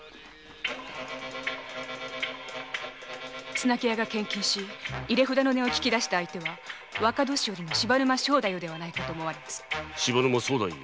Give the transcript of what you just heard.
綱木屋が献金し入れ札の値を聞きだした相手は若年寄の柴沼荘太夫ではないかと柴沼荘太夫？